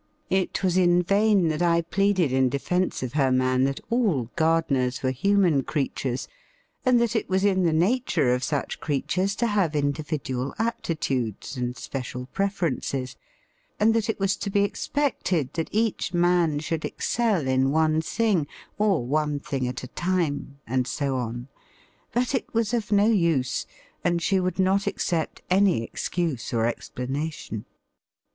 It was in vain that I pleaded in defence of her man that all gardeners were human creatures, and that it was in the nature of such creatures to have individual aptitudes and special preferences, and that it was to be expected that each man should excel in one thing, or one thing at a time, and so on; but it was of no use, and she would not accept any excuse or explanation.